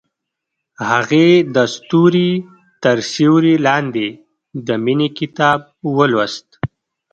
هغې د ستوري تر سیوري لاندې د مینې کتاب ولوست.